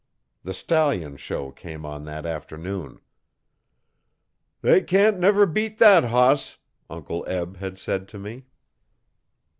The stallion show came on that afternoon. 'They can't never beat thet hoss,' Uncle Eb had said to me.